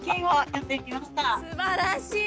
すばらしい。